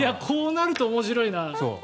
こうなると面白いな。